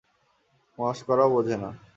মশকরাও বোঝে না।